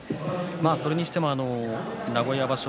それにしても名古屋場所